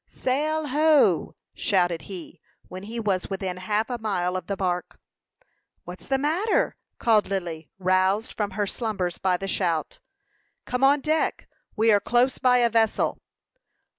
"Sail ho!" shouted he, when he was within half a mile of the bark. "What's the matter?" called Lily, roused from her slumbers by the shout. "Come on deck. We are close by a vessel."